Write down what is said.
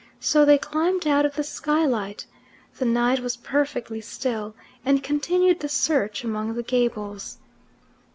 So they climbed out of the skylight the night was perfectly still and continued the search among the gables.